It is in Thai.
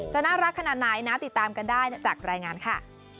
จะน่ารักขนาดไหนนะติดตามกันได้จากรายงานค่ะ